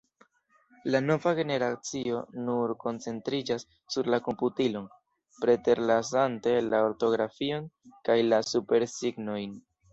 La nova generacio nur koncentriĝas sur la komputilon, preterlasante la ortografion kaj la supersignojn.